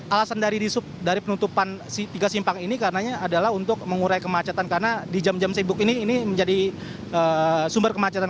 alasan dari penutupan tiga simpang ini karenanya adalah untuk mengurai kemacetan karena di jam jam sibuk ini ini menjadi sumber kemacetan